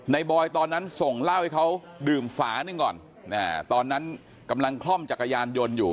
บอยตอนนั้นส่งเหล้าให้เขาดื่มฝาหนึ่งก่อนตอนนั้นกำลังคล่อมจักรยานยนต์อยู่